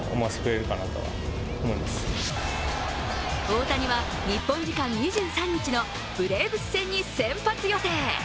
大谷は日本時間２３日のブレーブス戦に先発予定。